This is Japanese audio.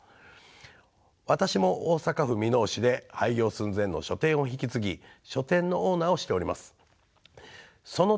私も大阪府箕面市で廃業寸前の書店を引き継ぎ書店のオーナーをしております。